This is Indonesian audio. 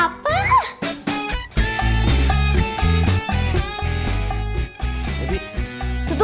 sampai jumpa di video selanjutnya